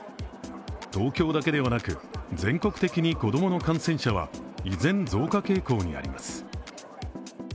東京だけではなく、全国的に子供の感染者は依然、増加傾向にあります。